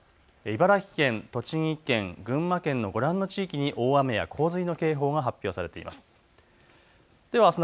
茨城県、栃木県、群馬県のご覧の地域に大雨や洪水の警報が発表されています。